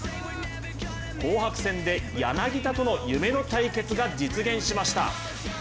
紅白戦で柳田との夢の対決が実現しました。